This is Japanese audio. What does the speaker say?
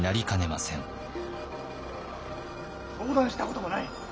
相談したこともない。